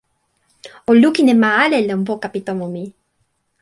o lukin e ma ale lon poka pi tomo mi!